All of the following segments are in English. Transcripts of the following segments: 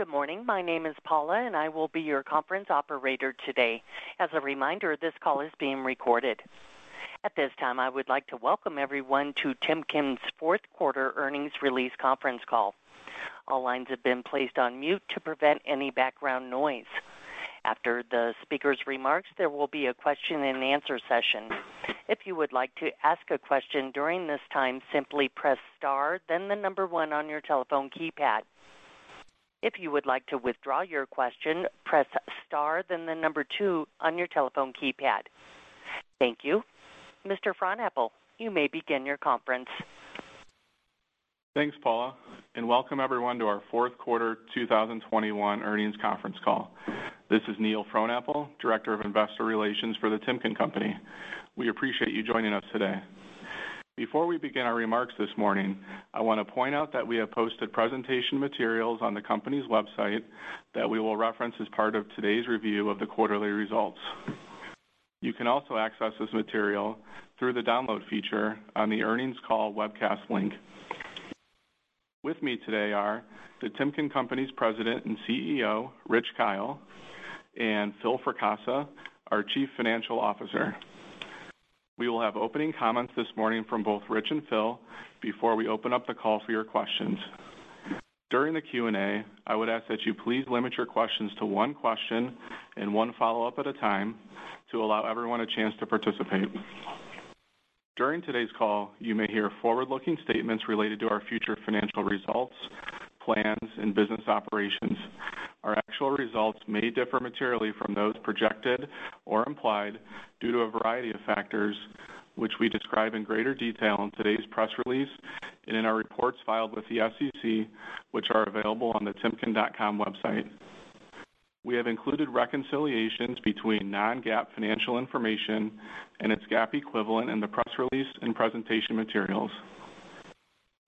Good morning. My name is Paula, and I will be your conference operator today. As a reminder, this call is being recorded. At this time, I would like to welcome everyone to Timken's Q4 Earnings Release Conference Call. All lines have been placed on mute to prevent any background noise. After the speaker's remarks, there will be a question and answer session. If you would like to ask a question during this time, simply press star then the number one on your telephone keypad. If you would like to withdraw your question, press star then the number two on your telephone keypad. Thank you. Mr. Frohnapple, you may begin your conference. Thanks, Paula, and welcome everyone to our Q4 2021 Earnings Conference Call. This is Neil Frohnapple, Director of Investor Relations for The Timken Company. We appreciate you joining us today. Before we begin our remarks this morning, I wanna point out that we have posted presentation materials on the company's website that we will reference as part of today's review of the quarterly results. You can also access this material through the download feature on the earnings call webcast link. With me today are The Timken Company's President and CEO, Rich Kyle, and Phil Fracassa, our Chief Financial Officer. We will have opening comments this morning from both Rich and Phil before we open up the call for your questions. During the Q&A, I would ask that you please limit your questions to one question and one follow-up at a time to allow everyone a chance to participate. During today's call, you may hear forward-looking statements related to our future financial results, plans, and business operations. Our actual results may differ materially from those projected or implied due to a variety of factors, which we describe in greater detail in today's press release and in our reports filed with the SEC, which are available on the timken.com website. We have included reconciliations between non-GAAP financial information and its GAAP equivalent in the press release and presentation materials.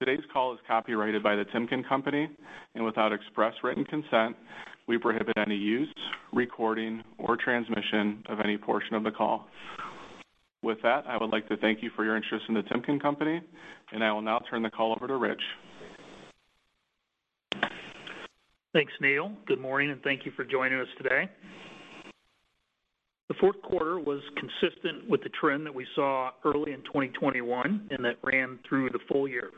Today's call is copyrighted by The Timken Company, and without express written consent, we prohibit any use, recording, or transmission of any portion of the call. With that, I would like to thank you for your interest in The Timken Company, and I will now turn the call over to Rich. Thanks, Neil. Good morning, and thank you for joining us today. The Q4 was consistent with the trend that we saw early in 2021 and that ran through the full year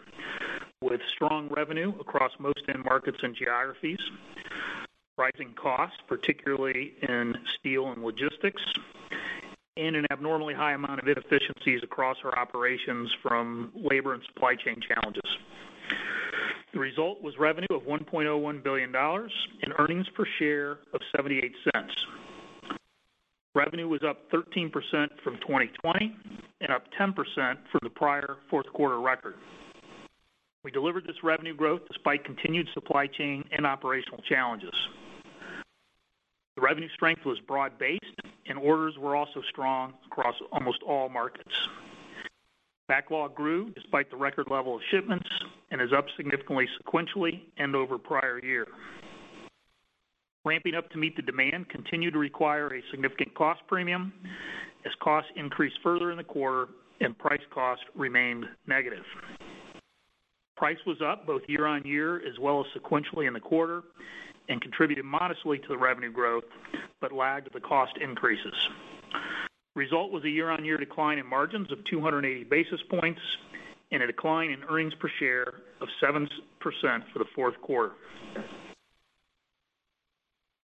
with strong revenue across most end markets and geographies, rising costs, particularly in steel and logistics, and an abnormally high amount of inefficiencies across our operations from labor and supply chain challenges. The result was revenue of $1.01 billion and earnings per share of $0.78. Revenue was up 13% from 2020 and up 10% for the prior Q4 record. We delivered this revenue growth despite continued supply chain and operational challenges. The revenue strength was broad-based and orders were also strong across almost all markets. Backlog grew despite the record level of shipments and is up significantly, sequentially and over prior year. Ramping up to meet the demand continued to require a significant cost premium as costs increased further in the quarter and price cost remained negative. Price was up both year on year as well as sequentially in the quarter and contributed modestly to the revenue growth, but lagged the cost increases. Result was a year on year decline in margins of 280 basis points and a decline in earnings per share of 7% for the Q4.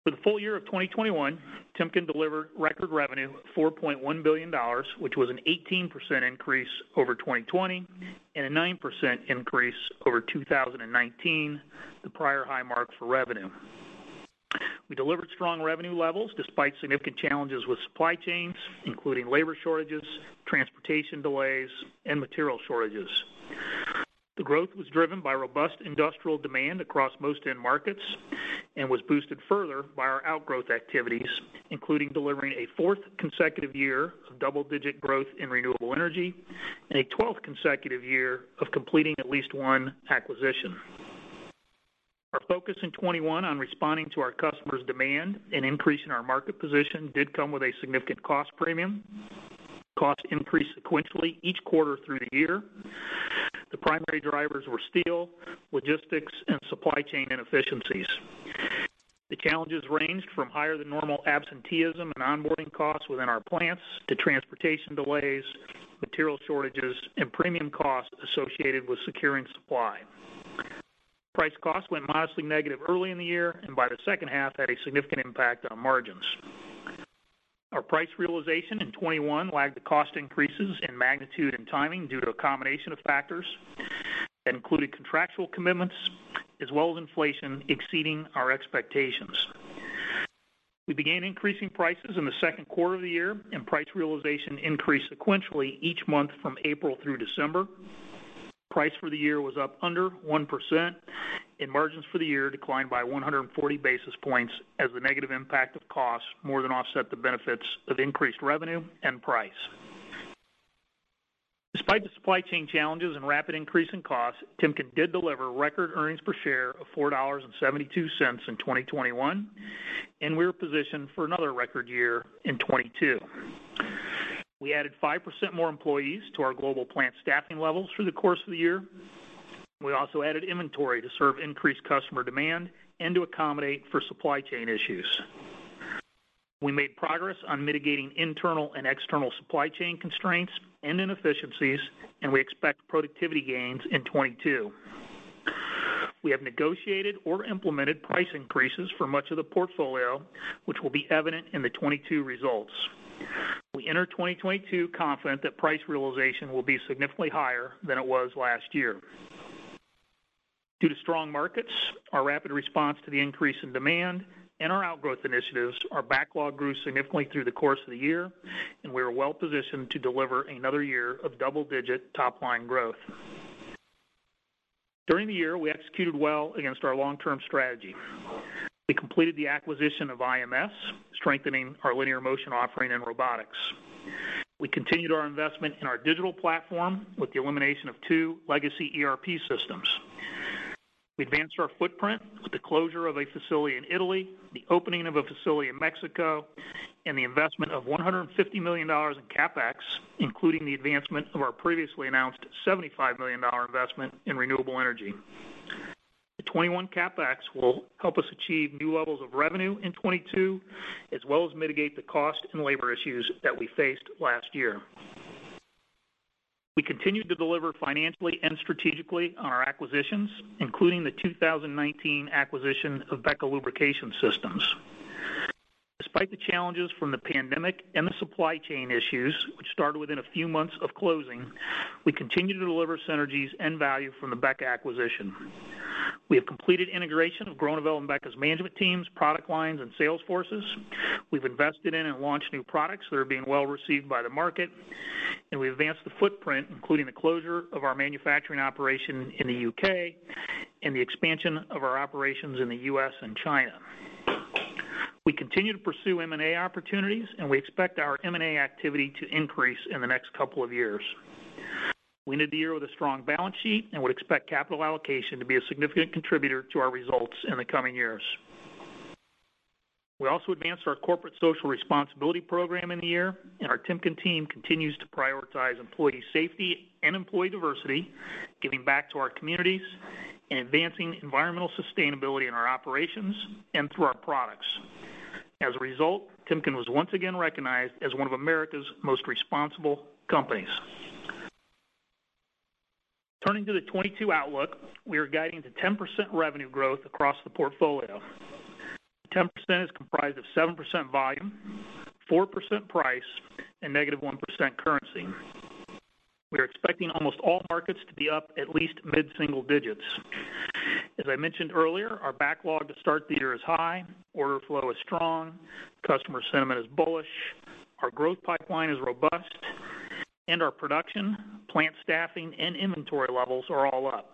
For the full year of 2021, Timken delivered record revenue of $4.1 billion, which was an 18% increase over 2020 and a 9% increase over 2019, the prior high mark for revenue. We delivered strong revenue levels despite significant challenges with supply chains, including labor shortages, transportation delays, and material shortages. The growth was driven by robust industrial demand across most end markets and was boosted further by our outgrowth activities, including delivering a fourth consecutive year of double-digit growth in renewable energy and a twelfth consecutive year of completing at least one acquisition. Our focus in 2021 on responding to our customers' demand and increasing our market position did come with a significant cost premium. Costs increased sequentially each quarter through the year. The primary drivers were steel, logistics, and supply chain inefficiencies. The challenges ranged from higher than normal absenteeism and onboarding costs within our plants to transportation delays, material shortages, and premium costs associated with securing supply. Price-cost went modestly negative early in the year and by the second half had a significant impact on margins. Our price realization in 2021 lagged the cost increases in magnitude and timing due to a combination of factors including contractual commitments as well as inflation exceeding our expectations. We began increasing prices in the Q2 of the year, and price realization increased sequentially each month from April through December. Price for the year was up under 1% and margins for the year declined by 140 basis points as the negative impact of costs more than offset the benefits of increased revenue and price. Despite the supply chain challenges and rapid increase in costs, Timken did deliver record earnings per share of $4.72 in 2021, and we're positioned for another record year in 2022. We added 5% more employees to our global plant staffing levels through the course of the year. We also added inventory to serve increased customer demand and to accommodate for supply chain issues. We made progress on mitigating internal and external supply chain constraints and inefficiencies, and we expect productivity gains in 2022. We have negotiated or implemented price increases for much of the portfolio, which will be evident in the 2022 results. We enter 2022 confident that price realization will be significantly higher than it was last year. Due to strong markets, our rapid response to the increase in demand and our outgrowth initiatives, our backlog grew significantly through the course of the year, and we are well-positioned to deliver another year of double-digit top line growth. During the year, we executed well against our long-term strategy. We completed the acquisition of IMS, strengthening our linear motion offering in robotics. We continued our investment in our digital platform with the elimination of two legacy ERP systems. We advanced our footprint with the closure of a facility in Italy, the opening of a facility in Mexico, and the investment of $150 million in CapEx, including the advancement of our previously announced $75 million investment in renewable energy. The 2021 CapEx will help us achieve new levels of revenue in 2022, as well as mitigate the cost and labor issues that we faced last year. We continued to deliver financially and strategically on our acquisitions, including the 2019 acquisition of BEKA Lubrication. Despite the challenges from the pandemic and the supply chain issues, which started within a few months of closing, we continue to deliver synergies and value from the BEKA acquisition. We have completed integration of Groeneveld and BEKA's management teams, product lines, and sales forces. We've invested in and launched new products that are being well received by the market, and we advanced the footprint, including the closure of our manufacturing operation in the U.K. and the expansion of our operations in the U.S. and China. We continue to pursue M&A opportunities, and we expect our M&A activity to increase in the next couple of years. We ended the year with a strong balance sheet and would expect capital allocation to be a significant contributor to our results in the coming years. We also advanced our corporate social responsibility program in the year, and our Timken team continues to prioritize employee safety and employee diversity, giving back to our communities and advancing environmental sustainability in our operations and through our products. As a result, Timken was once again recognized as one of America's most responsible companies. Turning to the 2022 outlook, we are guiding to 10% revenue growth across the portfolio. 10% is comprised of 7% volume, 4% price, and -1% currency. We are expecting almost all markets to be up at least mid-single digits. As I mentioned earlier, our backlog to start the year is high, order flow is strong, customer sentiment is bullish, our growth pipeline is robust, and our production, plant staffing, and inventory levels are all up.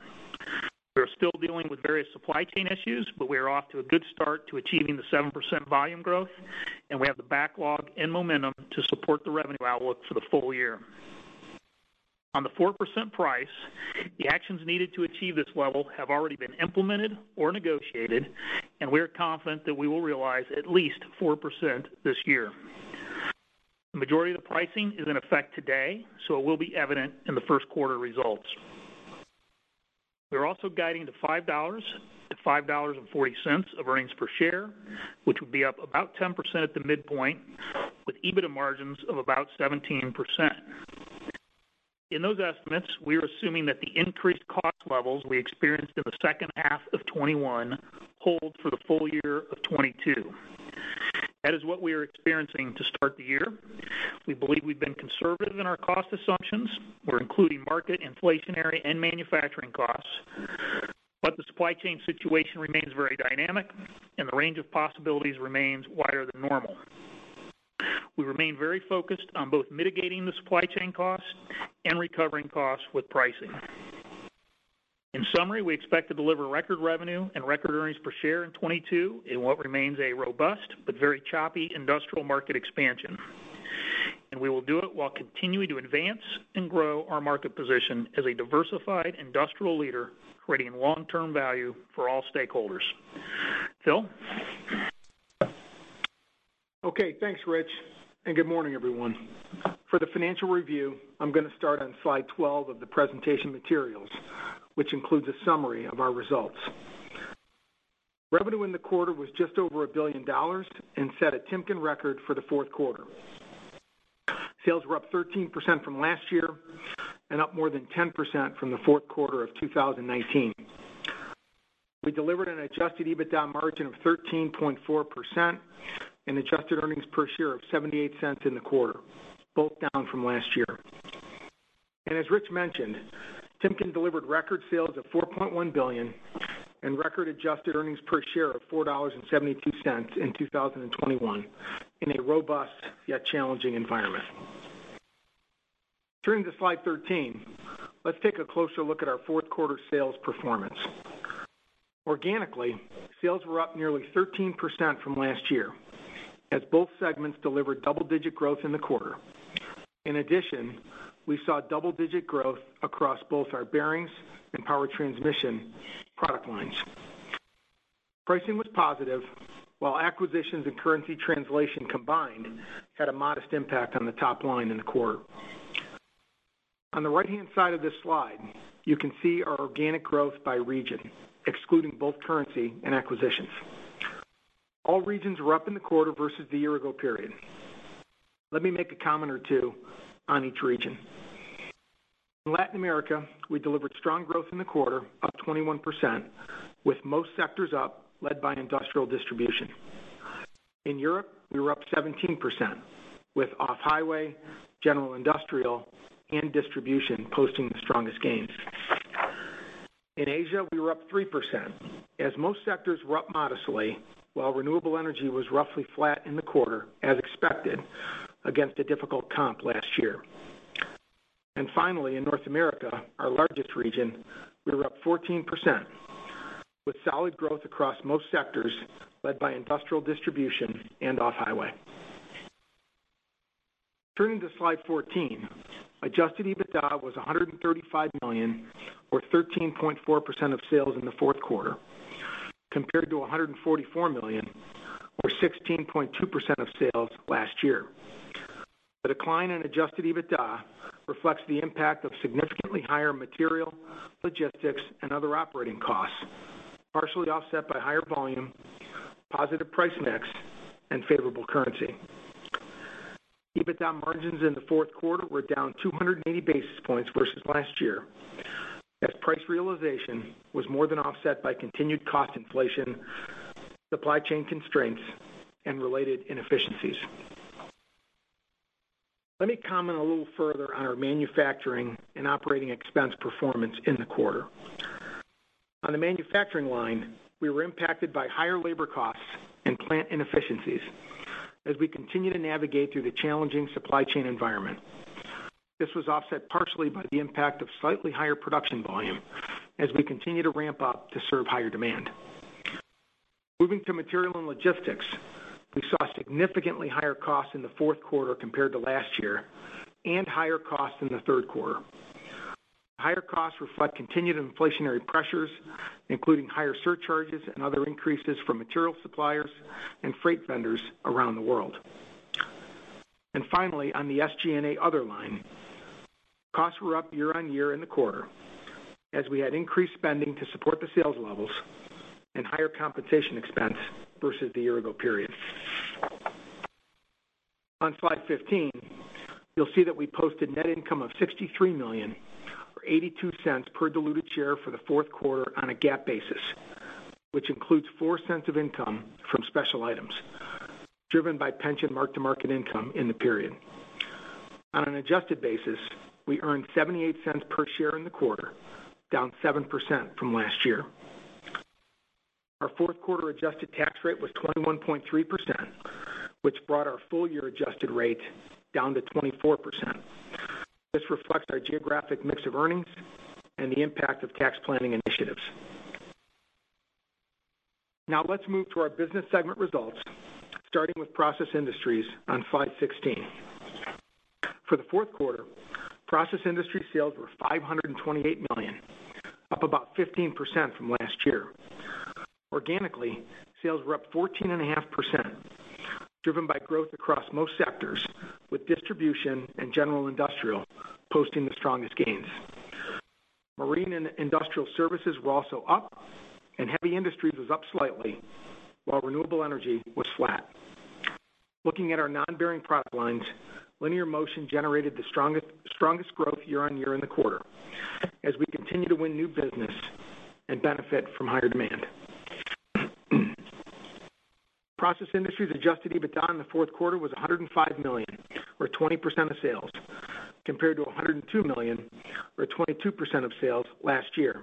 We are still dealing with various supply chain issues, but we are off to a good start to achieving the 7% volume growth, and we have the backlog and momentum to support the revenue outlook for the full year. On the 4% price, the actions needed to achieve this level have already been implemented or negotiated, and we are confident that we will realize at least 4% this year. The majority of the pricing is in effect today, so it will be evident in the Q1 results. We're also guiding to $5-$5.40 of earnings per share, which would be up about 10% at the midpoint, with EBITDA margins of about 17%. In those estimates, we are assuming that the increased cost levels we experienced in the second half of 2021 hold for the full year of 2022. That is what we are experiencing to start the year. We believe we've been conservative in our cost assumptions. We're including market inflationary and manufacturing costs. The supply chain situation remains very dynamic, and the range of possibilities remains wider than normal. We remain very focused on both mitigating the supply chain costs and recovering costs with pricing. In summary, we expect to deliver record revenue and record earnings per share in 2022 in what remains a robust but very choppy industrial market expansion. We will do it while continuing to advance and grow our market position as a diversified industrial leader, creating long-term value for all stakeholders. Phil? Okay, thanks, Rich, and good morning, everyone. For the financial review, I'm gonna start on slide 12 of the presentation materials, which includes a summary of our results. Revenue in the quarter was just over $1 billion and set a Timken record for the Q4. Sales were up 13% from last year and up more than 10% from the Q4 of 2019. We delivered an adjusted EBITDA margin of 13.4% and adjusted earnings per share of $0.78 in the quarter, both down from last year. As Rich mentioned, Timken delivered record sales of $4.1 billion and record adjusted earnings per share of $4.72 in 2021 in a robust yet challenging environment. Turning to slide 13, let's take a closer look at our Q4 sales performance. Organically, sales were up nearly 13% from last year as both segments delivered double-digit growth in the quarter. In addition, we saw double-digit growth across both our bearings and power transmission product lines. Pricing was positive, while acquisitions and currency translation combined had a modest impact on the top line in the quarter. On the right-hand side of this slide, you can see our organic growth by region, excluding both currency and acquisitions. All regions were up in the quarter versus the year ago period. Let me make a comment or two on each region. In Latin America, we delivered strong growth in the quarter, up 21%, with most sectors up led by industrial distribution. In Europe, we were up 17%, with off-highway, general industrial, and distribution posting the strongest gains. In Asia, we were up 3%, as most sectors were up modestly, while renewable energy was roughly flat in the quarter, as expected, against a difficult comp last year. Finally, in North America, our largest region, we were up 14%, with solid growth across most sectors led by industrial distribution and off-highway. Turning to slide 14. Adjusted EBITDA was $135 million, or 13.4% of sales in the Q4, compared to $144 million, or 16.2% of sales last year. The decline in adjusted EBITDA reflects the impact of significantly higher material, logistics, and other operating costs, partially offset by higher volume, positive price mix, and favorable currency. EBITDA margins in the Q4 were down 280 basis points versus last year, as price realization was more than offset by continued cost inflation, supply chain constraints, and related inefficiencies. Let me comment a little further on our manufacturing and operating expense performance in the quarter. On the manufacturing line, we were impacted by higher labor costs and plant inefficiencies as we continue to navigate through the challenging supply chain environment. This was offset partially by the impact of slightly higher production volume as we continue to ramp up to serve higher demand. Moving to material and logistics, we saw significantly higher costs in the Q4 compared to last year and higher costs in the Q3. Higher costs reflect continued inflationary pressures, including higher surcharges and other increases from material suppliers and freight vendors around the world. Finally, on the SG&A other line, costs were up year-over-year in the quarter as we had increased spending to support the sales levels and higher compensation expense versus the year ago period. On slide 15, you'll see that we posted net income of $63 million, or $0.82 per diluted share for the Q4 on a GAAP basis, which includes $0.04 of income from special items driven by pension mark-to-market income in the period. On an adjusted basis, we earned $0.78 per share in the quarter, down 7% from last year. Our Q4 adjusted tax rate was 21.3%, which brought our full year adjusted rate down to 24%. This reflects our geographic mix of earnings and the impact of tax planning initiatives. Now let's move to our business segment results, starting with Process Industries on slide 16. For the Q4, Process Industries sales were $528 million, up about 15% from last year. Organically, sales were up 14.5%, driven by growth across most sectors, with distribution and general industrial posting the strongest gains. Marine and industrial services were also up, and heavy industries was up slightly, while renewable energy was flat. Looking at our nonbearing product lines, linear motion generated the strongest growth year on year in the quarter as we continue to win new business and benefit from higher demand. Process Industries adjusted EBITDA in the Q4 was $105 million or 20% of sales, compared to $102 million or 22% of sales last year.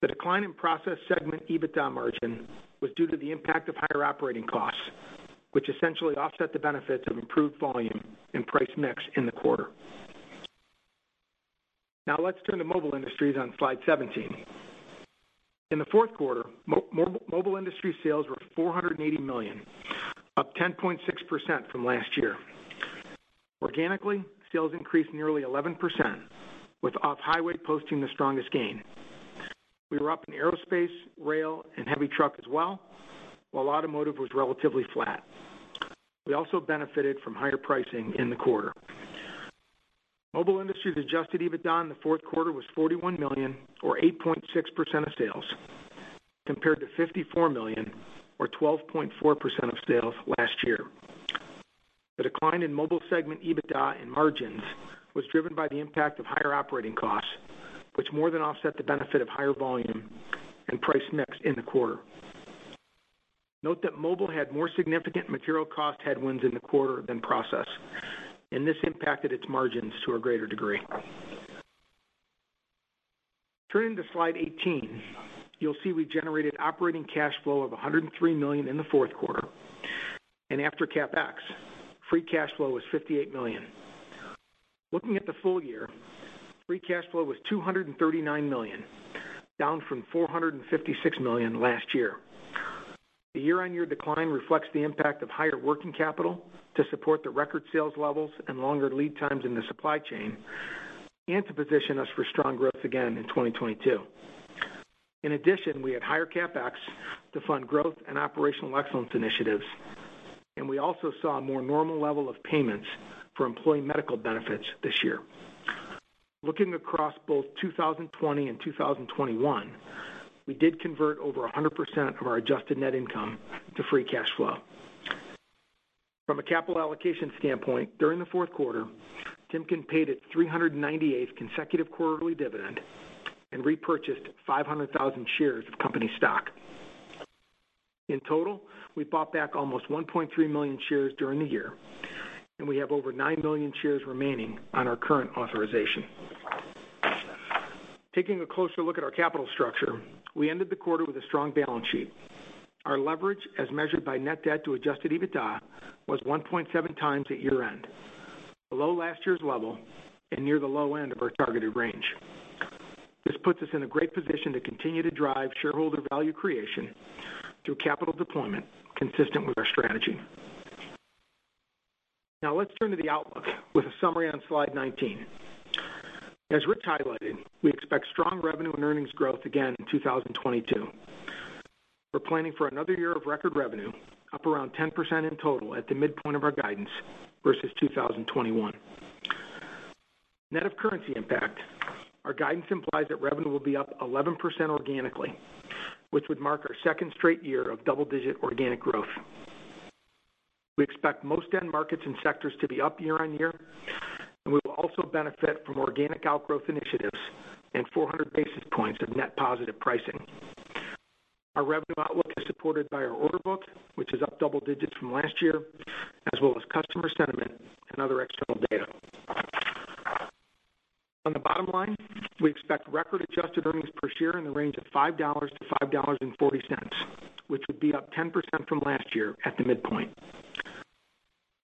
The decline in Process Industries segment EBITDA margin was due to the impact of higher operating costs, which essentially offset the benefits of improved volume and price mix in the quarter. Now let's turn to Mobile Industries on slide 17. In the Q4, Mobile Industries sales were $480 million, up 10.6% from last year. Organically, sales increased nearly 11%, with off-highway posting the strongest gain. We were up in aerospace, rail, and heavy truck as well, while automotive was relatively flat. We also benefited from higher pricing in the quarter. Mobile Industries adjusted EBITDA in the Q4 was $41 million or 8.6% of sales, compared to $54 million or 12.4% of sales last year. The decline in Mobile segment EBITDA and margins was driven by the impact of higher operating costs, which more than offset the benefit of higher volume and price mix in the quarter. Note that Mobile had more significant material cost headwinds in the quarter than Process, and this impacted its margins to a greater degree. Turning to slide 18, you'll see we generated operating cash flow of $103 million in the Q4, and after CapEx, free cash flow was $58 million. Looking at the full year, free cash flow was $239 million, down from $456 million last year. The year-on-year decline reflects the impact of higher working capital to support the record sales levels and longer lead times in the supply chain, and to position us for strong growth again in 2022. In addition, we had higher CapEx to fund growth and operational excellence initiatives, and we also saw a more normal level of payments for employee medical benefits this year. Looking across both 2020 and 2021, we did convert over 100% of our adjusted net income to free cash flow. From a capital allocation standpoint, during the Q4, Timken paid its 398th consecutive quarterly dividend and repurchased 500,000 shares of company stock. In total, we bought back almost 1.3 million shares during the year, and we have over 9 million shares remaining on our current authorization. Taking a closer look at our capital structure, we ended the quarter with a strong balance sheet. Our leverage, as measured by net debt to adjusted EBITDA, was 1.7 times at year-end, below last year's level and near the low end of our targeted range. This puts us in a great position to continue to drive shareholder value creation through capital deployment consistent with our strategy. Now let's turn to the outlook with a summary on slide 19. As Rich highlighted, we expect strong revenue and earnings growth again in 2022. We're planning for another year of record revenue, up around 10% in total at the midpoint of our guidance versus 2021. Net of currency impact, our guidance implies that revenue will be up 11% organically, which would mark our second straight year of double-digit organic growth. We expect most end markets and sectors to be up year-on-year, and we will also benefit from organic outgrowth initiatives and 400 basis points of net positive pricing. Our revenue outlook is supported by our order book, which is up double digits from last year, as well as customer sentiment and other external data. On the bottom line, we expect record adjusted earnings per share in the range of $5-$5.40, which would be up 10% from last year at the midpoint.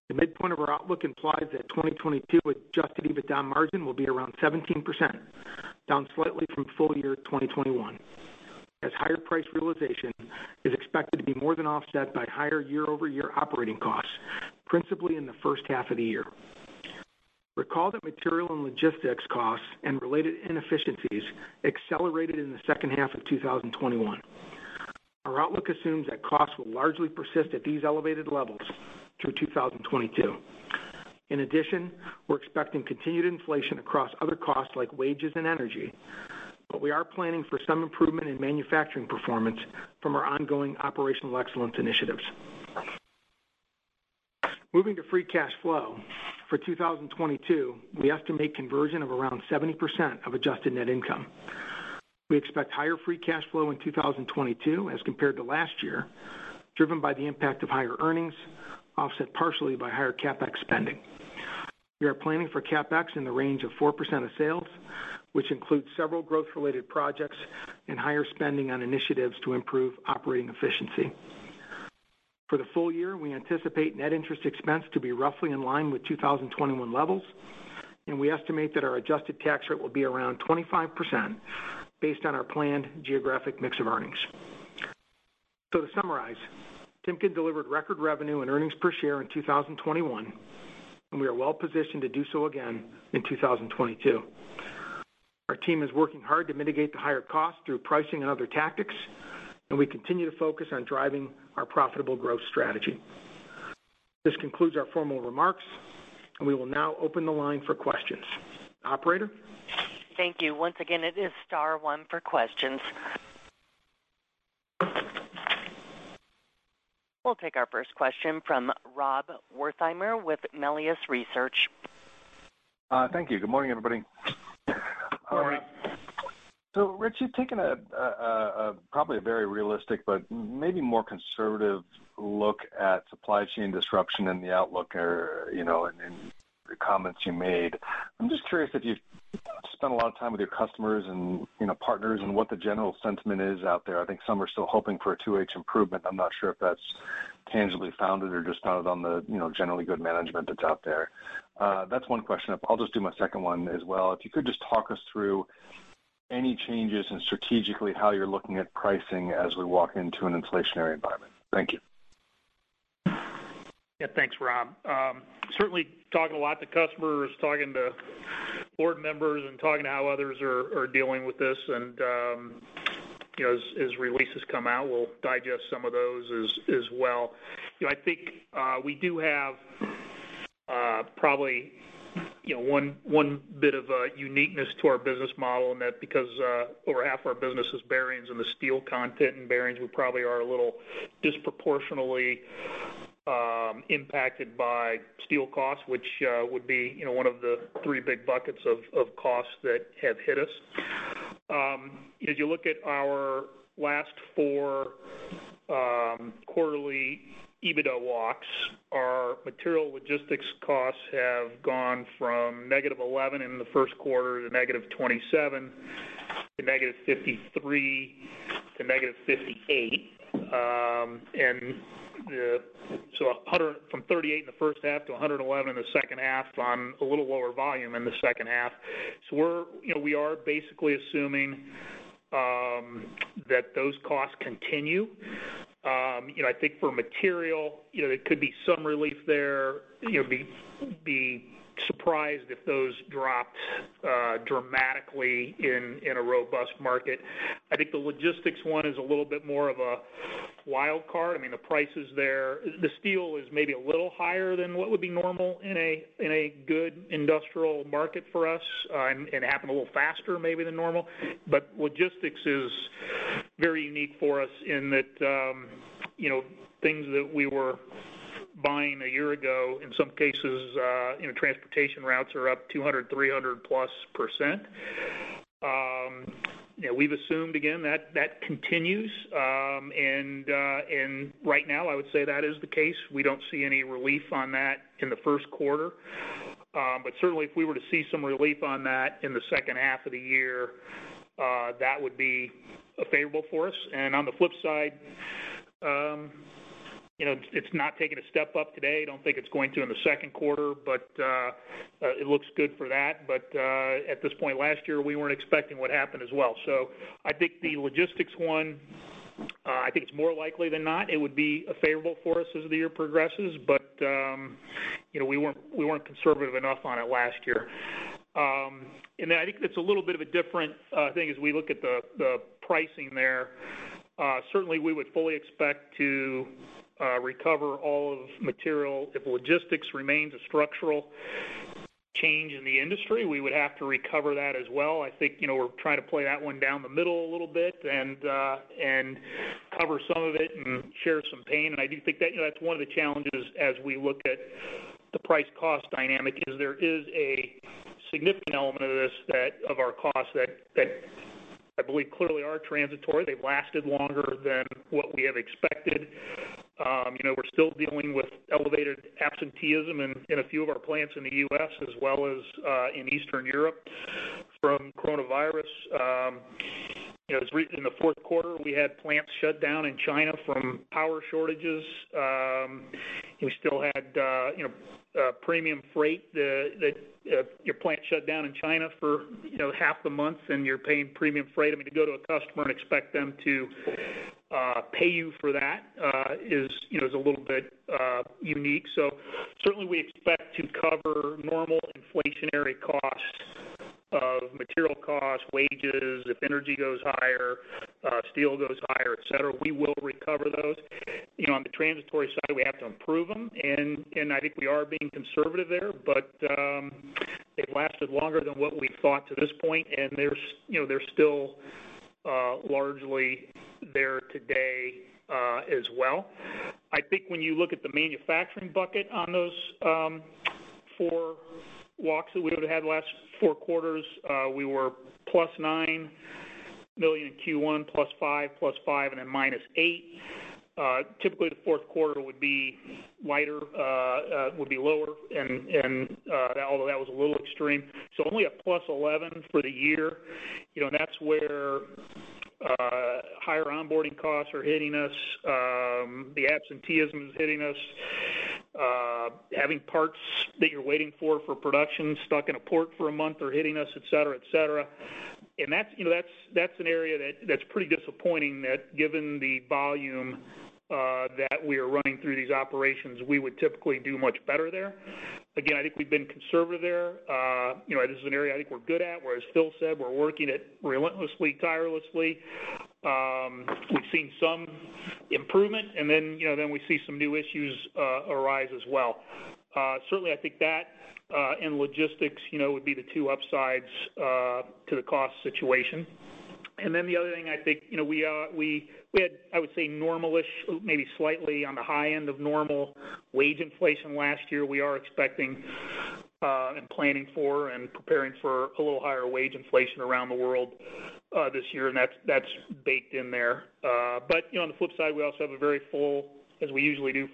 The midpoint of our outlook implies that 2022 adjusted EBITDA margin will be around 17%, down slightly from full year 2021, as higher price realization is expected to be more than offset by higher year-over-year operating costs, principally in the first half of the year. Recall that material and logistics costs and related inefficiencies accelerated in the second half of 2021. Our outlook assumes that costs will largely persist at these elevated levels through 2022. In addition, we're expecting continued inflation across other costs like wages and energy, but we are planning for some improvement in manufacturing performance from our ongoing operational excellence initiatives. Moving to free cash flow. For 2022, we estimate conversion of around 70% of adjusted net income. We expect higher free cash flow in 2022 as compared to last year, driven by the impact of higher earnings, offset partially by higher CapEx spending. We are planning for CapEx in the range of 4% of sales, which includes several growth-related projects and higher spending on initiatives to improve operating efficiency. For the full year, we anticipate net interest expense to be roughly in line with 2021 levels, and we estimate that our adjusted tax rate will be around 25% based on our planned geographic mix of earnings. To summarize, Timken delivered record revenue and earnings per share in 2021, and we are well positioned to do so again in 2022. Our team is working hard to mitigate the higher costs through pricing and other tactics, and we continue to focus on driving our profitable growth strategy. This concludes our formal remarks, and we will now open the line for questions. Operator? Thank you. Once again, it is star one for questions. We'll take our first question from Rob Wertheimer with Melius Research. Thank you. Good morning, everybody. Good morning. Rich, you've taken a probably a very realistic but maybe more conservative look at supply chain disruption in the outlook or, you know, in the comments you made. I'm just curious if you've spent a lot of time with your customers and, you know, partners and what the general sentiment is out there. I think some are still hoping for a two-stage improvement. I'm not sure if that's tangibly founded or just founded on the, you know, generally good management that's out there. That's one question. I'll just do my second one as well. If you could just talk us through any changes in strategically how you're looking at pricing as we walk into an inflationary environment. Thank you. Yeah, thanks, Rob. Certainly talking a lot to customers, talking to board members and talking to how others are dealing with this. You know, as releases come out, we'll digest some of those as well. You know, I think we do have probably one bit of a uniqueness to our business model, and that because over half our business is bearings and the steel content in bearings, we probably are a little disproportionately impacted by steel costs, which would be one of the three big buckets of costs that have hit us. If you look at our last four quarterly EBITDA walks, our material logistics costs have gone from -$11 in the Q1 to -$27, to -$53, to -$58. From 38 in the first half to 111 in the second half on a little lower volume in the second half. We are basically assuming, you know, that those costs continue. You know, I think for material, you know, there could be some relief there. You know, be surprised if those dropped dramatically in a robust market. I mean, the prices there, the steel is maybe a little higher than what would be normal in a good industrial market for us, and it happened a little faster maybe than normal. Logistics is very unique for us in that, you know, things that we were buying a year ago, in some cases, you know, transportation routes are up 200, 300+%. You know, we've assumed again that that continues. And right now I would say that is the case. We don't see any relief on that in the Q1. But certainly if we were to see some relief on that in the second half of the year, that would be favorable for us. And on the flip side, you know, it's not taking a step up today. I don't think it's going to in the Q2, but it looks good for that. At this point last year, we weren't expecting what happened as well. I think the logistics one, I think it's more likely than not, it would be favorable for us as the year progresses. You know, we weren't conservative enough on it last year. I think it's a little bit of a different thing as we look at the pricing there. Certainly we would fully expect to recover all of material. If logistics remains a structural change in the industry, we would have to recover that as well. I think, you know, we're trying to play that one down the middle a little bit and cover some of it and share some pain. I do think that that's one of the challenges as we look at the price cost dynamic is there is a significant element of this of our costs that I believe clearly are transitory. They've lasted longer than what we have expected. We're still dealing with elevated absenteeism in a few of our plants in the U.S. as well as in Eastern Europe from coronavirus. In the Q4, we had plants shut down in China from power shortages. We still had premium freight. Your plant shut down in China for half the month and you're paying premium freight. I mean, to go to a customer and expect them to pay you for that is a little bit unique. Certainly we expect to cover normal inflationary costs of material costs, wages. If energy goes higher, steel goes higher, et cetera, we will recover those. You know, on the transitory side, we have to improve them. I think we are being conservative there. They've lasted longer than what we thought to this point. You know, they're still largely there today, as well. I think when you look at the manufacturing bucket on those four walls that we would've had last four quarters, we were +$9 million in Q1, +$5 million, +$5 million, and then -$8 million. Typically the Q4 would be lighter, would be lower. Although that was a little extreme. Only a +$11 million for the year. You know, that's where higher onboarding costs are hitting us. The absenteeism is hitting us. Having parts that you're waiting for production stuck in a port for a month are hitting us, et cetera, et cetera. That's, you know, an area that's pretty disappointing, given the volume that we are running through these operations, we would typically do much better there. Again, I think we've been conservative there. You know, this is an area I think we're good at, where, as Phil said, we're working it relentlessly, tirelessly. We've seen some improvement and then, you know, we see some new issues arise as well. Certainly, I think that in logistics, you know, would be the two upsides to the cost situation. The other thing I think, you know, we had, I would say normal-ish, maybe slightly on the high end of normal wage inflation last year. We are expecting and planning for and preparing for a little higher wage inflation around the world this year. That's baked in there. You know, on the flip side, we also have a very full self-help story, as we usually do,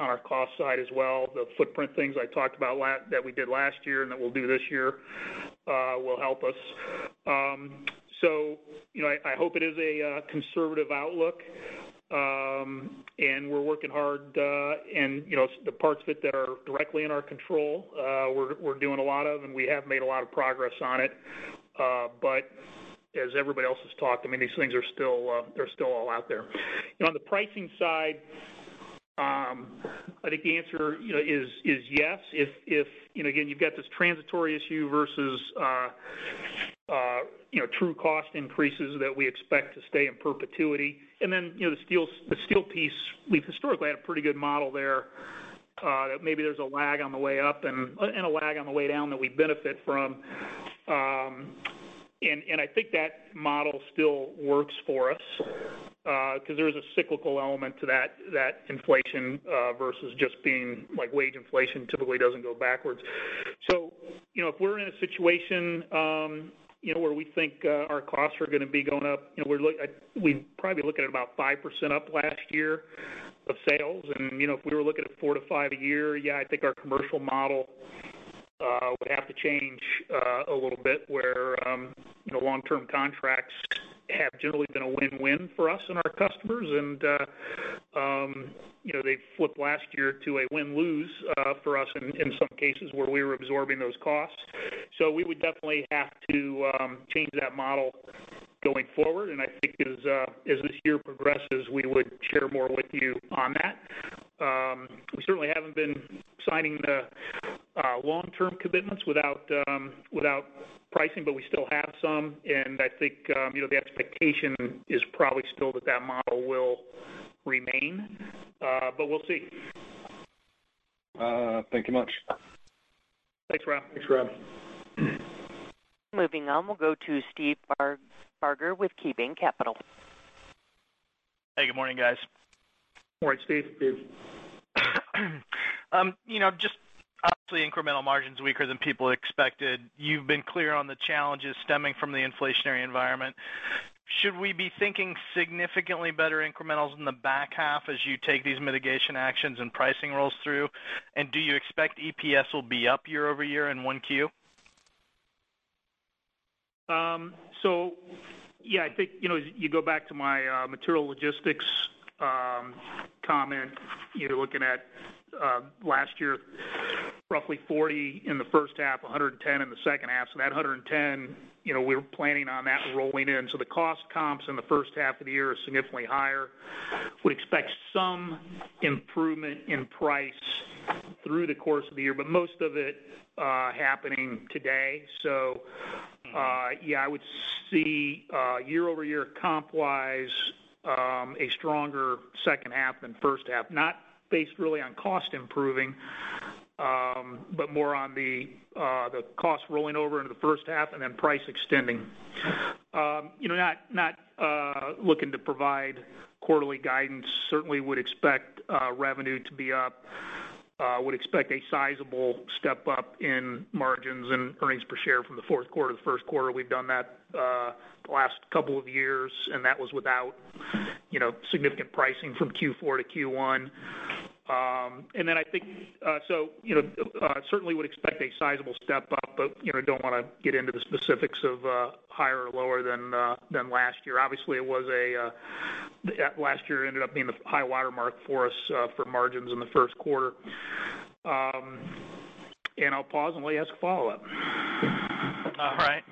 on our cost side as well. The footprint things I talked about that we did last year and that we'll do this year will help us. You know, I hope it is a conservative outlook. We're working hard, and you know, the parts of it that are directly in our control, we're doing a lot of, and we have made a lot of progress on it. As everybody else has talked, I mean, these things are still, they're still all out there. You know, on the pricing side, I think the answer, you know, is yes. If you know, again, you've got this transitory issue versus you know, true cost increases that we expect to stay in perpetuity. You know, the steel piece, we've historically had a pretty good model there, that maybe there's a lag on the way up and a lag on the way down that we benefit from. I think that model still works for us, 'cause there is a cyclical element to that inflation versus just being like wage inflation typically doesn't go backwards. You know, if we're in a situation where we think our costs are gonna be going up, you know, we'd probably be looking at about 5% up last year of sales. You know, if we were looking at 4%-5% a year, yeah, I think our commercial model would have to change a little bit where the long-term contracts have generally been a win-win for us and our customers, and you know, they flipped last year to a win-lose for us in some cases where we were absorbing those costs. We would definitely have to change that model going forward. I think as this year progresses, we would share more with you on that. We certainly haven't been signing the long-term commitments without pricing, but we still have some. I think you know, the expectation is probably still that model will remain, but we'll see. Thank you much. Thanks, Rob. Thanks, Rob. Moving on, we'll go to Steve Barger with KeyBanc Capital. Hey, good morning, guys. Good morning, Steve. Steve. You know, just obviously incremental margins weaker than people expected. You've been clear on the challenges stemming from the inflationary environment. Should we be thinking significantly better incrementals in the back half as you take these mitigation actions and pricing rolls through? Do you expect EPS will be up year-over-year in 1Q? Yeah, I think, you know, you go back to my material logistics comment, you know, looking at last year, roughly $40 in the first half, $110 in the second half. That $110, you know, we're planning on that rolling in. The cost comps in the first half of the year are significantly higher. I would expect some improvement in price through the course of the year, but most of it happening today. Yeah, I would see year-over-year comp-wise a stronger second half than first half, not based really on cost improving, but more on the cost rolling over into the first half and then price extending. You know, not looking to provide quarterly guidance. Certainly, I would expect revenue to be up. Would expect a sizable step up in margins and earnings per share from the Q4 to the Q1. We've done that the last couple of years, and that was without, you know, significant pricing from Q4 to Q1. I think, you know, certainly would expect a sizable step up, but, you know, don't wanna get into the specifics of higher or lower than last year. Obviously, last year ended up being the high watermark for us for margins in the Q1. I'll pause and let you ask a follow-up. All right.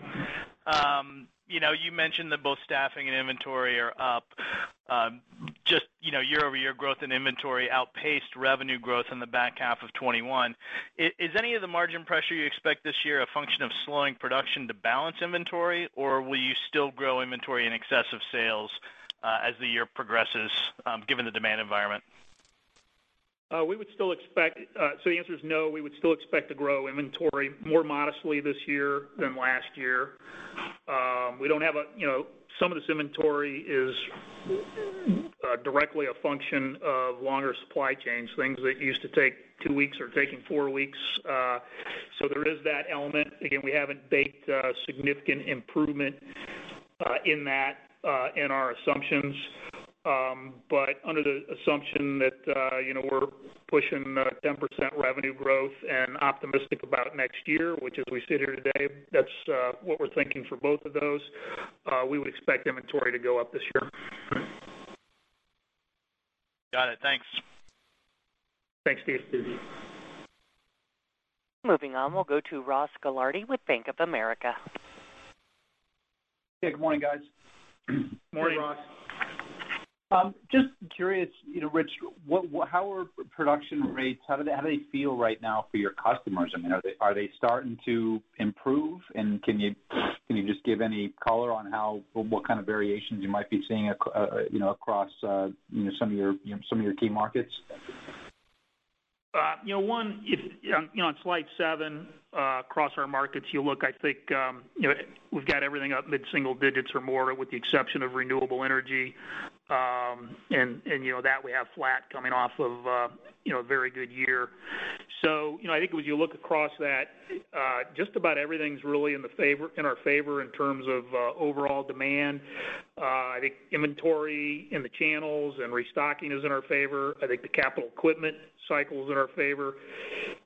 You know, you mentioned that both staffing and inventory are up. Just, you know, year-over-year growth in inventory outpaced revenue growth in the back half of 2021. Is any of the margin pressure you expect this year a function of slowing production to balance inventory? Or will you still grow inventory in excess of sales, as the year progresses, given the demand environment? The answer is no, we would still expect to grow inventory more modestly this year than last year. You know, some of this inventory is directly a function of longer supply chains. Things that used to take two weeks are taking four weeks. There is that element. Again, we haven't baked significant improvement in that into our assumptions. Under the assumption that you know, we're pushing 10% revenue growth and optimistic about next year, which as we sit here today, that's what we're thinking for both of those, we would expect inventory to go up this year. Got it. Thanks. Thanks, Steve. Moving on, we'll go to Ross Gilardi with Bank of America. Hey, good morning, guys. Good morning, Ross. Hey. Just curious, you know, Rich, how are production rates? How do they feel right now for your customers? I mean, are they starting to improve? Can you just give any color on how or what kind of variations you might be seeing across, you know, some of your key markets? You know, on slide seven, across our markets, you look, I think, you know, we've got everything up mid-single digits or more with the exception of renewable energy. You know, that we have flat coming off of, you know, a very good year. You know, I think as you look across that, just about everything's really in our favor in terms of overall demand. I think inventory in the channels and restocking is in our favor. I think the capital equipment cycle is in our favor.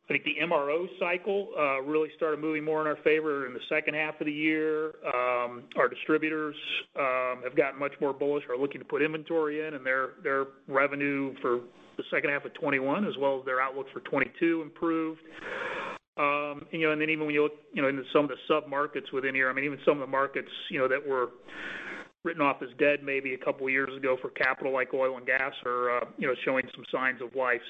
I think the MRO cycle really started moving more in our favor in the second half of the year. Our distributors have gotten much more bullish, are looking to put inventory in, and their revenue for the second half of 2021 as well as their outlook for 2022 improved. You know, and then even when you look, you know, into some of the sub-markets within here, I mean, even some of the markets, you know, that were written off as dead maybe a couple years ago for capital like oil and gas are, you know, showing some signs of life.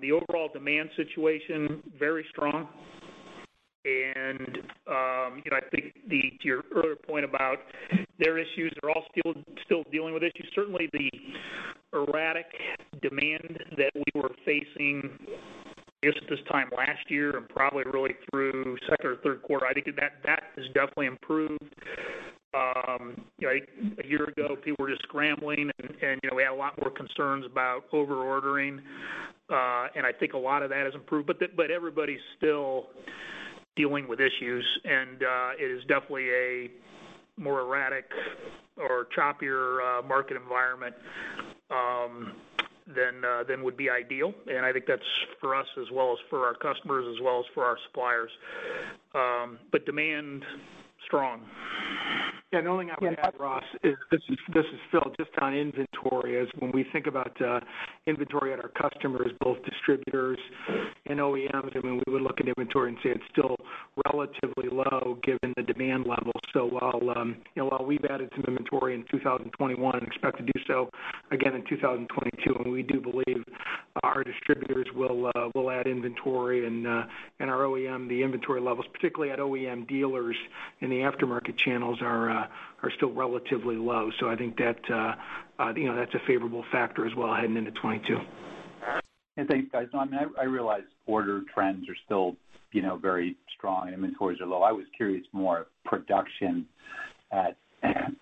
The overall demand situation, very strong. You know, I think to your earlier point about their issues, they're all still dealing with issues. Certainly the erratic demand that we were facing just this time last year and probably really through second or Q3, I think that has definitely improved. You know, a year ago, people were just scrambling and, you know, we had a lot more concerns about over-ordering. I think a lot of that has improved. But everybody's still dealing with issues and it is definitely a more erratic or choppier market environment than would be ideal. I think that's for us as well as for our customers as well as for our suppliers. Demand strong. Yeah. The only thing I would add, Ross, is this is still just on inventory, when we think about inventory at our customers, both distributors and OEMs. I mean, we would look at inventory and say it's still relatively low given the demand level. So while, you know, while we've added some inventory in 2021, expect to do so again in 2022, and we do believe our distributors will add inventory and our OEM, the inventory levels, particularly at OEM dealers in the aftermarket channels are still relatively low. So I think that, you know, that's a favorable factor as well heading into 2022. Yeah. Thanks, guys. No, I mean, I realize order trends are still, you know, very strong, inventories are low. I was curious more production at,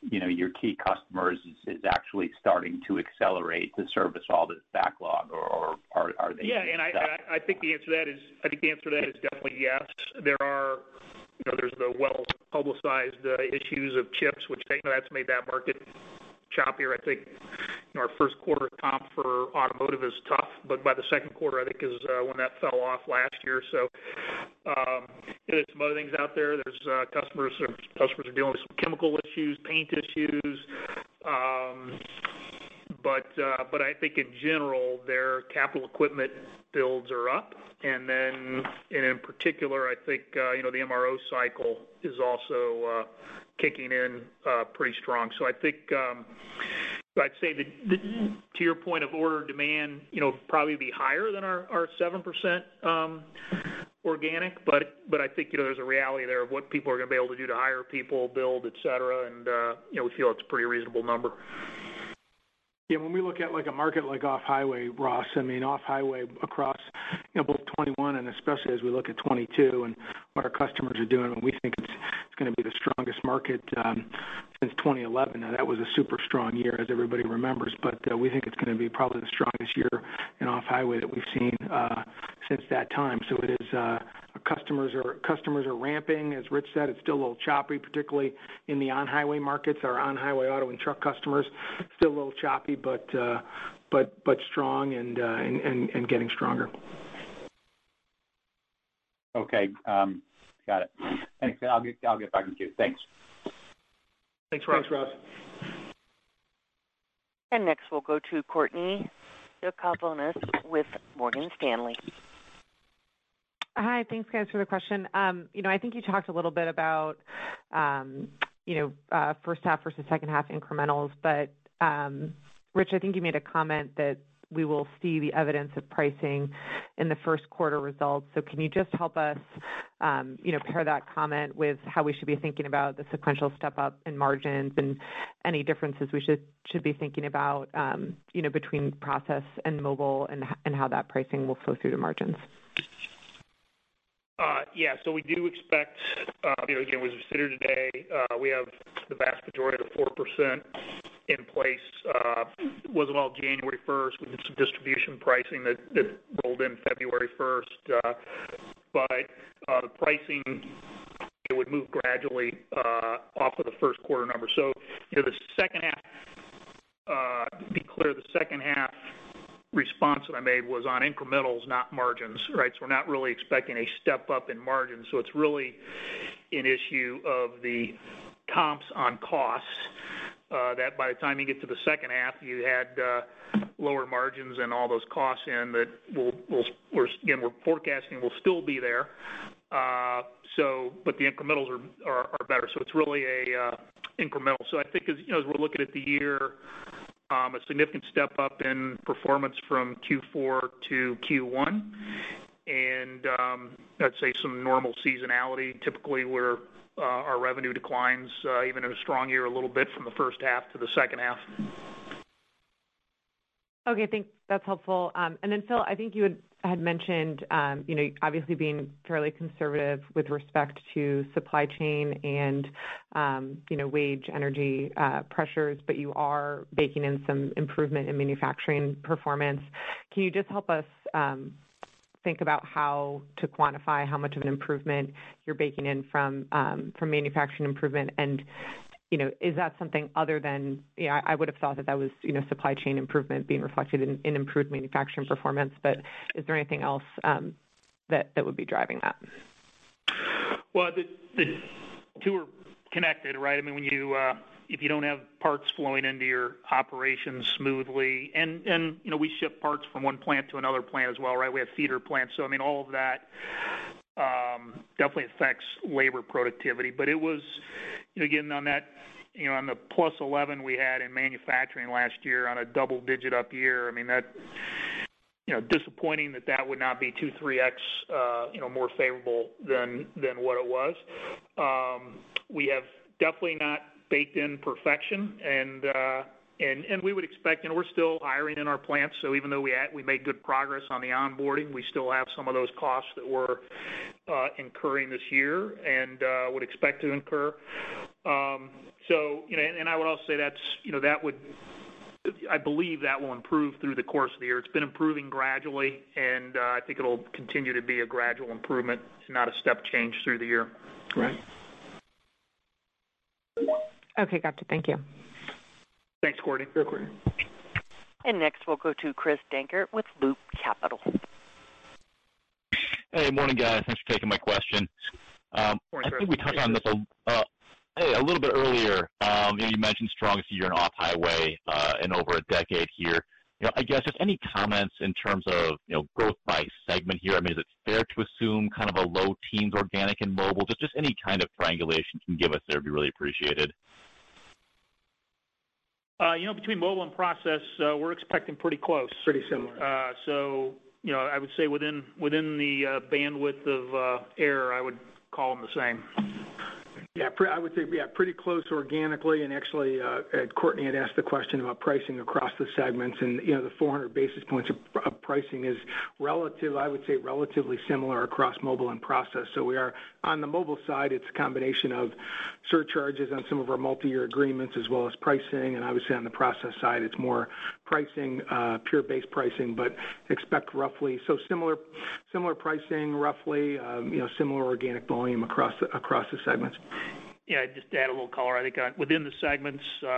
you know, your key customers is actually starting to accelerate to service all this backlog or are they- Yeah, I think the answer to that is definitely yes. There are, you know, the well-publicized issues of chips, which, you know, that's made that market choppier. I think, you know, our Q1 comp for automotive is tough, but by the Q2, I think is when that fell off last year. You know, some other things out there. There are customers dealing with some chemical issues, paint issues. I think in general, their capital equipment builds are up. In particular, I think, you know, the MRO cycle is also kicking in pretty strong. I think, I'd say the to your point of order demand, you know, probably be higher than our 7%, organic, but I think, you know, there's a reality there of what people are gonna be able to do to hire people, build, et cetera. We feel it's a pretty reasonable number. Yeah. When we look at like a market like off-highway, Ross, I mean, off-highway across, you know, both 2021 and especially as we look at 2022 and what our customers are doing, and we think it's gonna be the strongest market since 2011. Now, that was a super strong year as everybody remembers, but we think it's gonna be probably the strongest year in off-highway that we've seen since that time. So it is, customers are ramping. As Rich said, it's still a little choppy, particularly in the on-highway markets. Our on-highway auto and truck customers, still a little choppy, but strong and getting stronger. Okay. Got it. Thanks. I'll get back to you. Thanks. Thanks, Ross. Thanks, Ross. Next, we'll go to Courtney Yakavonis with Morgan Stanley. Hi. Thanks, guys, for the question. You know, I think you talked a little bit about, you know, first half versus second half incrementals. Rich, I think you made a comment that we will see the evidence of pricing in the Q1 results. Can you just help us, you know, pair that comment with how we should be thinking about the sequential step up in margins and any differences we should be thinking about, you know, between Process and Mobile and how that pricing will flow through to margins? Yeah. We do expect, you know, again, as we sit here today, we have the vast majority of the 4% in place as of about January first. We did some distribution pricing that rolled in February first. The pricing would move gradually off of the Q1 number. You know, the second half, to be clear, the second half response that I made was on incrementals, not margins, right? We're not really expecting a step up in margins. It's really an issue of the comps on costs, that by the time you get to the second half, you add lower margins and all those costs that we're forecasting will still be there. The incrementals are better. It's really an incremental. I think as, you know, as we're looking at the year, a significant step up in performance from Q4 to Q1. I'd say some normal seasonality typically where our revenue declines, even in a strong year, a little bit from the first half to the second half. Okay, thanks. That's helpful. Phil, I think you had mentioned, you know, obviously being fairly conservative with respect to supply chain and, you know, wage and energy pressures, but you are baking in some improvement in manufacturing performance. Can you just help us think about how to quantify how much of an improvement you're baking in from manufacturing improvement? You know, is that something other than, you know, I would have thought that that was, you know, supply chain improvement being reflected in improved manufacturing performance. Is there anything else that would be driving that? Well, the two are connected, right? I mean, if you don't have parts flowing into your operations smoothly and you know, we ship parts from one plant to another plant as well, right? We have feeder plants. I mean, all of that definitely affects labor productivity. It was you know, again, on that you know, on the +11% we had in manufacturing last year on a double-digit up year, I mean, that you know, disappointing that would not be 2, 3x you know, more favorable than what it was. We have definitely not baked in perfection and we would expect you know, we're still hiring in our plants. Even though we made good progress on the onboarding, we still have some of those costs that we're incurring this year and would expect to incur. You know, and I would also say that's, you know, that would, I believe that will improve through the course of the year. It's been improving gradually, and I think it'll continue to be a gradual improvement, not a step change through the year. Right. Okay. Got you. Thank you. Thanks, Courtney. You're welcome. Next, we'll go to Chris Dankert with Loop Capital. Hey, morning, guys. Thanks for taking my question. Morning, Chris. How are you? I think we touched on this a little bit earlier. You know, you mentioned strongest year in off highway in over a decade here. You know, I guess, just any comments in terms of, you know, growth by segment here. I mean, is it fair to assume kind of a low teens organic in mobile? Just any kind of triangulation you can give us there would be really appreciated. You know, between Mobile and Process, we're expecting pretty close. Pretty similar. You know, I would say within the bandwidth of error, I would call them the same. Yeah, I would say we are pretty close organically. Actually, Courtney had asked the question about pricing across the segments. You know, the 400 basis points of pricing is relatively similar across Mobile and Process. On the Mobile side, it's a combination of surcharges on some of our multi-year agreements as well as pricing. Obviously on the Process side, it's more pricing, pure base pricing, but expect roughly similar pricing, you know, similar organic volume across the segments. Yeah, just to add a little color. I think within the segments, you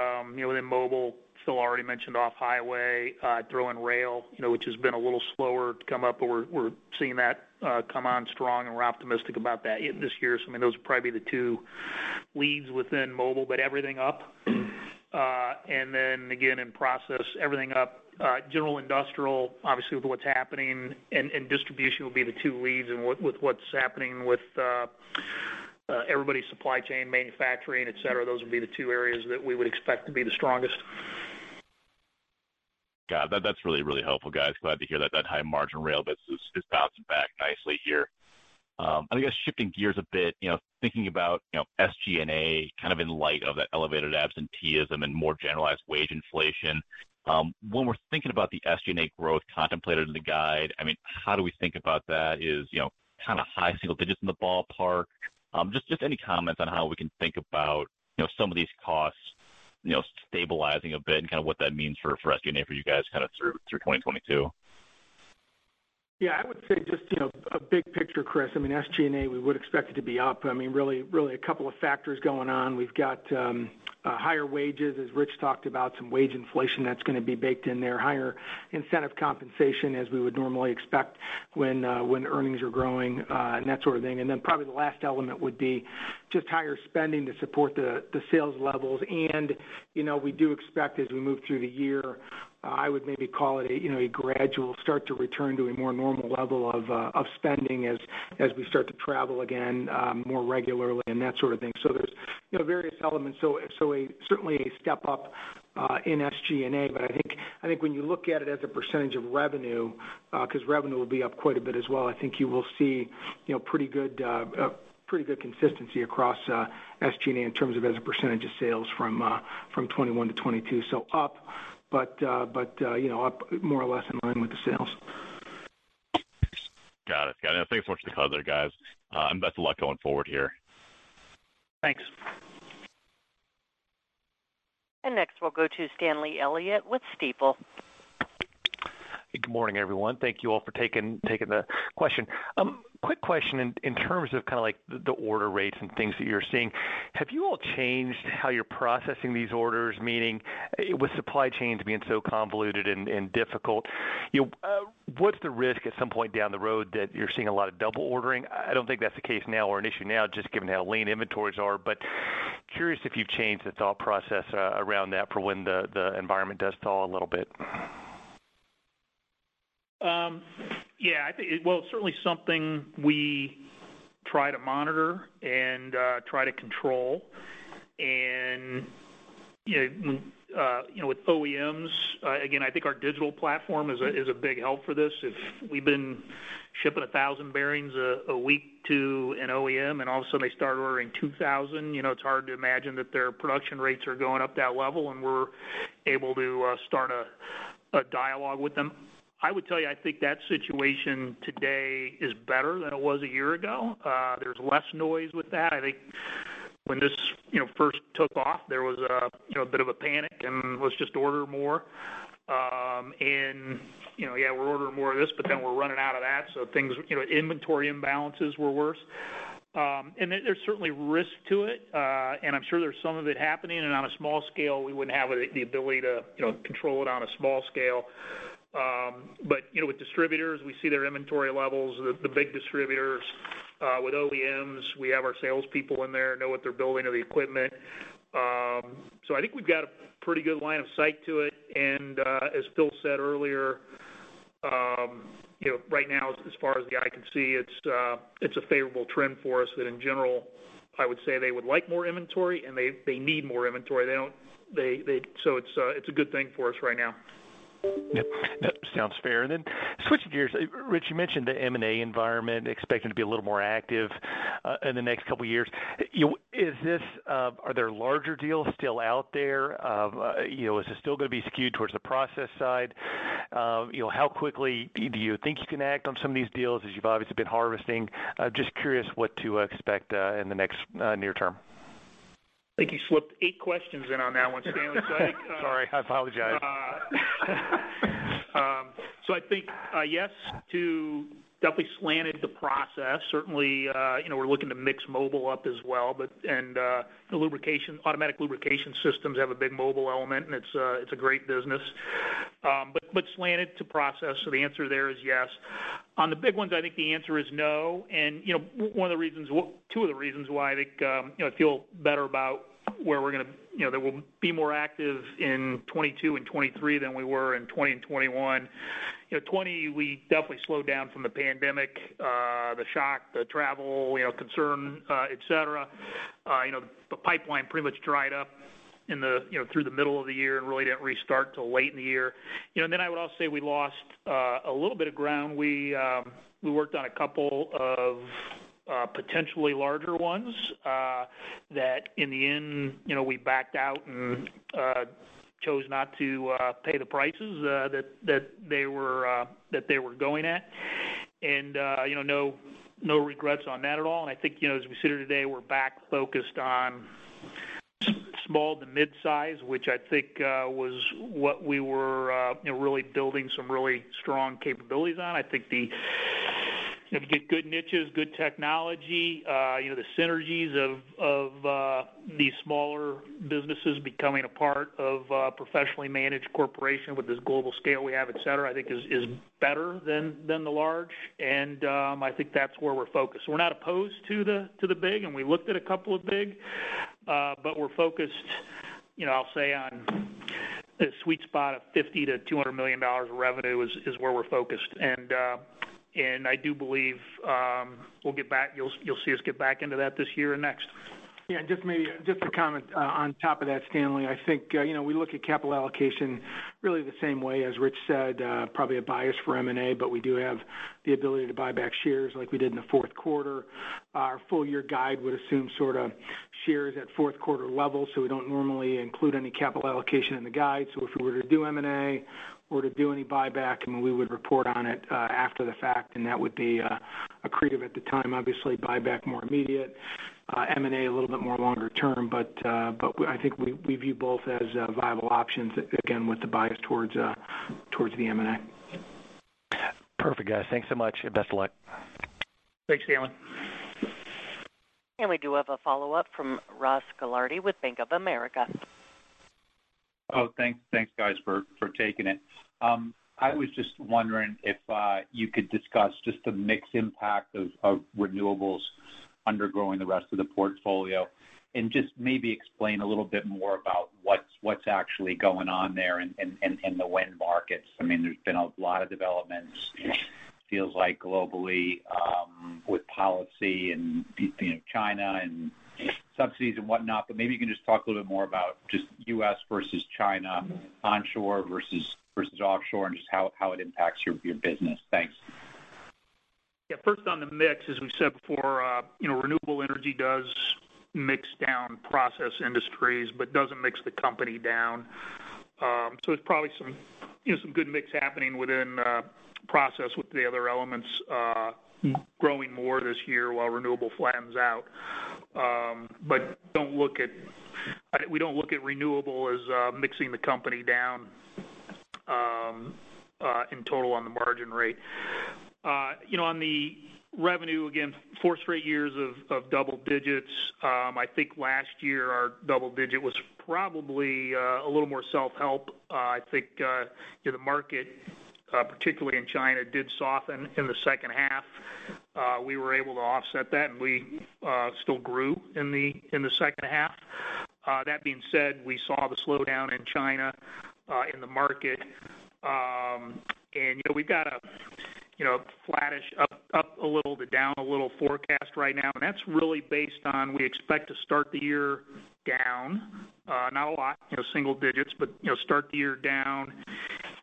know, within Mobile, Phil already mentioned off-highway, throw in rail, you know, which has been a little slower to come up, but we're seeing that come on strong, and we're optimistic about that this year. I mean, those would probably be the two leads within Mobile, but everything up. Then again, in Process, everything up. General Industrial, obviously with what's happening and distribution will be the two leads and with what's happening with everybody's supply chain manufacturing, et cetera, those would be the two areas that we would expect to be the strongest. Got it. That's really helpful, guys. Glad to hear that high margin rail business is bouncing back nicely here. I guess shifting gears a bit, you know, thinking about, you know, SG&A kind of in light of that elevated absenteeism and more generalized wage inflation. When we're thinking about the SG&A growth contemplated in the guide, I mean, how do we think about that? Is you know kind of high single digits in the ballpark? Just any comments on how we can think about, you know, some of these costs, you know, stabilizing a bit and kind of what that means for SG&A for you guys kind of through 2022. Yeah, I would say just, you know, a big picture, Chris. I mean, SG&A, we would expect it to be up. I mean, really a couple of factors going on. We've got higher wages, as Rich talked about, some wage inflation that's gonna be baked in there, higher incentive compensation as we would normally expect when earnings are growing, and that sort of thing. Then probably the last element would be just higher spending to support the sales levels. You know, we do expect as we move through the year, I would maybe call it a gradual start to return to a more normal level of spending as we start to travel again more regularly and that sort of thing. There's, you know, various elements. Certainly a step up in SG&A. I think when you look at it as a percentage of revenue, 'cause revenue will be up quite a bit as well, I think you will see, you know, pretty good consistency across SG&A in terms of as a percentage of sales from 2021 to 2022. Up, but you know, up more or less in line with the sales. Got it. Thanks so much for the color there, guys. Best of luck going forward here. Thanks. Next, we'll go to Stanley Elliott with Stifel. Good morning, everyone. Thank you all for taking the question. Quick question in terms of kinda like the order rates and things that you're seeing. Have you all changed how you're processing these orders? Meaning with supply chains being so convoluted and difficult, you know, what's the risk at some point down the road that you're seeing a lot of double ordering? I don't think that's the case now or an issue now just given how lean inventories are. Curious if you've changed the thought process around that for when the environment does stall a little bit. Yeah. I think. Well, it's certainly something we try to monitor and try to control. You know, with OEMs, again, I think our digital platform is a big help for this. If we've been shipping 1,000 bearings a week to an OEM, and all of a sudden they start ordering 2,000, you know, it's hard to imagine that their production rates are going up that level, and we're able to start a dialogue with them. I would tell you, I think that situation today is better than it was a year ago. There's less noise with that. I think when this first took off, there was, you know, a bit of a panic and let's just order more. You know, yeah, we're ordering more of this, but then we're running out of that. Things, you know, inventory imbalances were worse. Then there's certainly risk to it. I'm sure there's some of it happening. On a small scale, we wouldn't have the ability to, you know, control it on a small scale. But, you know, with distributors, we see their inventory levels, the big distributors. With OEMs, we have our salespeople in there, know what they're building or the equipment. So I think we've got a pretty good line of sight to it. as Phil said earlier, you know, right now as far as the eye can see, it's a favorable trend for us that in general, I would say they would like more inventory, and they need more inventory. It's a good thing for us right now. Yep. That sounds fair. Switching gears, Rich, you mentioned the M&A environment expecting to be a little more active in the next couple years. You know, is this? Are there larger deals still out there? You know, is it still gonna be skewed towards the process side? You know, how quickly do you think you can act on some of these deals as you've obviously been harvesting? Just curious what to expect in the next near term. I think you slipped eight questions in on that one, Stanley. Sorry, I apologize. I think yes to definitely slanted to Process. Certainly you know, we're looking to mix Mobile up as well, but and the automatic lubrication systems have a big Mobile element, and it's a great business. But slanted to Process. The answer there is yes. On the big ones, I think the answer is no. You know, two of the reasons why I think you know, I feel better about where we're gonna you know, that we'll be more active in 2022 and 2023 than we were in 2020 and 2021. You know, 2020 we definitely slowed down from the pandemic, the shock, the travel you know, concern, et cetera. You know, the pipeline pretty much dried up in the, you know, through the middle of the year and really didn't restart till late in the year. You know, I would also say we lost a little bit of ground. We worked on a couple of potentially larger ones that in the end, you know, we backed out and chose not to pay the prices that they were going at. You know, no regrets on that at all. I think, you know, as we sit here today, we're back focused on small to mid-size, which I think was what we were, you know, really building some really strong capabilities on. I think the If you get good niches, good technology, you know, the synergies of these smaller businesses becoming a part of a professionally managed corporation with this global scale we have, et cetera, I think is better than the large. I think that's where we're focused. We're not opposed to the big, and we looked at a couple of big, but we're focused, you know, I'll say on the sweet spot of $50 million-$200 million of revenue is where we're focused. I do believe we'll get back. You'll see us get back into that this year and next. Yeah, just maybe a comment on top of that, Stanley. I think you know, we look at capital allocation really the same way as Rich said, probably a bias for M&A, but we do have the ability to buy back shares like we did in the Q4. Our full-year guide would assume sorta shares at Q4 levels, so we don't normally include any capital allocation in the guide. If we were to do M&A or to do any buyback, I mean, we would report on it after the fact, and that would be accretive at the time. Obviously, buyback more immediate, M&A a little bit more longer term, but I think we view both as viable options, again, with the bias towards the M&A. Perfect, guys. Thanks so much, and best of luck. Thanks, Stanley. We do have a follow-up from Ross Gilardi with Bank of America. Thanks, guys, for taking it. I was just wondering if you could discuss just the mix impact of renewables undergrowing the rest of the portfolio, and just maybe explain a little bit more about what's actually going on there in the wind markets. I mean, there's been a lot of developments, feels like globally, with policy and, you know, China and subsidies and whatnot. But maybe you can just talk a little bit more about just U.S. versus China, onshore versus offshore, and just how it impacts your business. Thanks. Yeah. First on the mix, as we said before, you know, renewable energy does mix down Process Industries, but doesn't mix the company down. There's probably some, you know, some good mix happening within process with the other elements growing more this year while renewable flattens out. We don't look at renewable as mixing the company down in total on the margin rate. You know, on the revenue, again, fourth straight years of double digits. I think last year our double digit was probably a little more self-help. I think you know, the market, particularly in China, did soften in the second half. We were able to offset that, and we still grew in the second half. That being said, we saw the slowdown in China in the market. You know, we've got a flattish up a little to down a little forecast right now, and that's really based on we expect to start the year down. Not a lot, you know, single digits, but start the year down.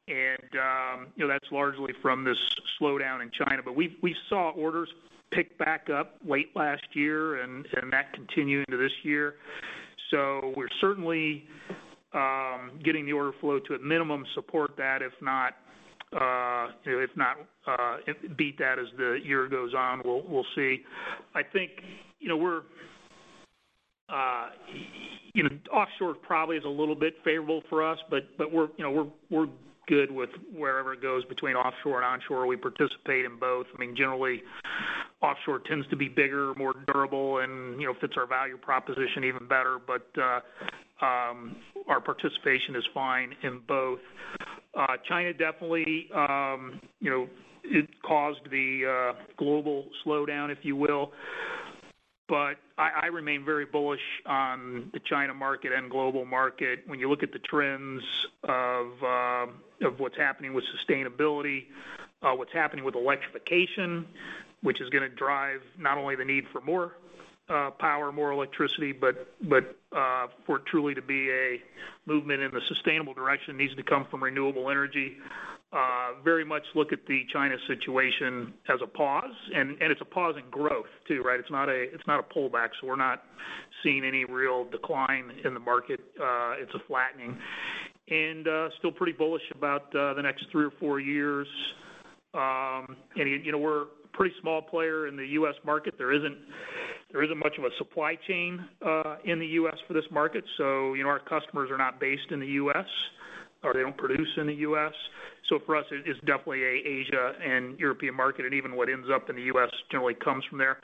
You know, that's largely from this slowdown in China. We saw orders pick back up late last year and that continue into this year. We're certainly getting the order flow to at minimum support that if not beat that as the year goes on. We'll see. I think, you know, we're, you know, offshore probably is a little bit favorable for us, but we're, you know, we're good with wherever it goes between offshore and onshore. We participate in both. I mean, generally, offshore tends to be bigger, more durable and, you know, fits our value proposition even better. Our participation is fine in both. China definitely, you know, it caused the global slowdown, if you will, but I remain very bullish on the China market and global market. When you look at the trends of what's happening with sustainability, what's happening with electrification, which is gonna drive not only the need for more power, more electricity, but for it truly to be a movement in the sustainable direction needs to come from renewable energy. We very much look at the China situation as a pause, and it's a pause in growth too, right? It's not a pullback, so we're not seeing any real decline in the market. It's a flattening. Still pretty bullish about the next three or four years. You know, we're a pretty small player in the U.S. market. There isn't much of a supply chain in the U.S. for this market. You know, our customers are not based in the U.S. or they don't produce in the U.S. For us, it is definitely an Asian and European market. Even what ends up in the U.S. generally comes from there.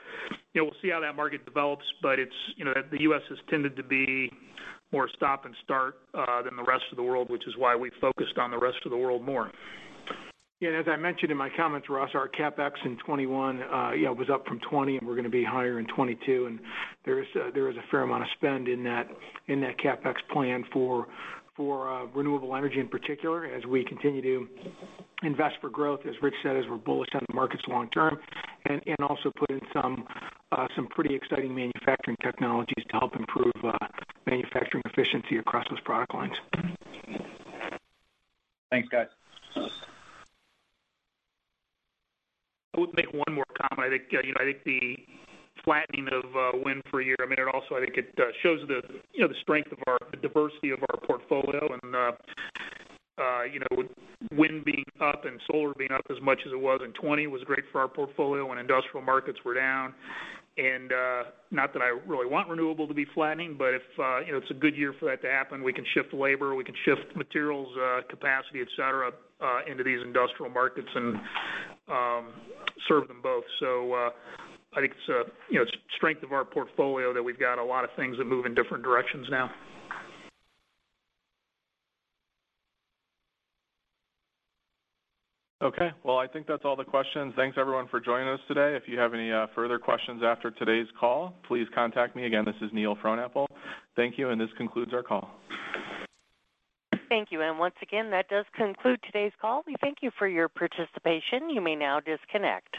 You know, we'll see how that market develops, but it's, you know, the U.S. has tended to be more stop and start than the rest of the world, which is why we focused on the rest of the world more. Yeah. As I mentioned in my comments, Ross, our CapEx in 2021 was up from 2020, and we're gonna be higher in 2022. There is a fair amount of spend in that CapEx plan for renewable energy in particular, as we continue to invest for growth, as Rich said, as we're bullish on the markets long term. Also put in some pretty exciting manufacturing technologies to help improve manufacturing efficiency across those product lines. Thanks, guys. I would make one more comment. I think, you know, the flattening of wind for a year, I mean, it also shows the, you know, the strength of our portfolio, the diversity of our portfolio. Wind being up and solar being up as much as it was in 2020 was great for our portfolio when industrial markets were down. Not that I really want renewable to be flattening, but if, you know, it's a good year for that to happen, we can shift labor, we can shift materials, capacity, et cetera, into these industrial markets and serve them both. I think it's, you know, strength of our portfolio that we've got a lot of things that move in different directions now. Okay. Well, I think that's all the questions. Thanks everyone for joining us today. If you have any further questions after today's call, please contact me. Again, this is Neil Frohnapple. Thank you, and this concludes our call. Thank you. Once again, that does conclude today's call. We thank you for your participation. You may now disconnect.